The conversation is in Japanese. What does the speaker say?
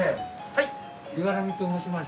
はい。